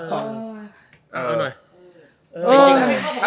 เออ